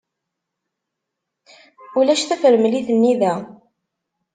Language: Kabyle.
Ulac tafremlit-nni da.